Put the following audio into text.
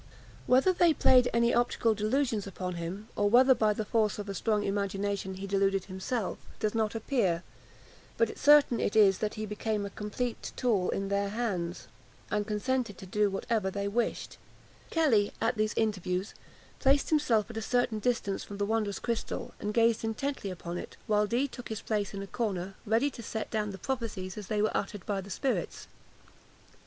Whether they played off any optical delusions upon him, or whether, by the force of a strong imagination, he deluded himself, does not appear, but certain it is that he became a complete tool in their hands, and consented to do whatever they wished him. Kelly, at these interviews, placed himself at a certain distance from the wondrous crystal, and gazed intently upon it, while Dee took his place in a corner, ready to set down the prophecies as they were uttered by the spirits.